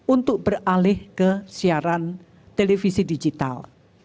untuk beralih kesiaran tv digital